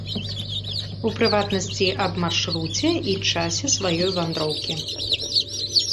У прыватнасці, аб маршруце і часе сваёй вандроўкі.